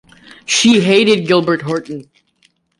She hated Gilbert Horton!